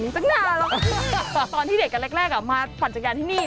ตอนที่เด็กกันแรกอะเมื่อกำลังมาปั่นจักรยานที่นี่